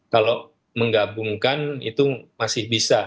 kalau menggabungkan itu masih bisa